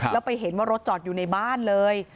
แล้วไปเห็นว่ารถจอดอยู่ในบ้านเลย